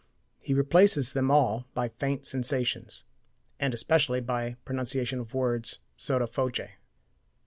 He replaces them all by faint sensations, and especially by pronunciation of words sotto voce.